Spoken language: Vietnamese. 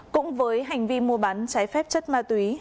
cũng với hành vi mua bán trái phép chất ma túy